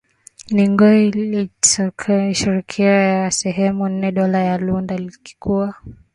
na Ngoy likatokea shirikisho ya sehemu nne Dola la Lunda lilikuwa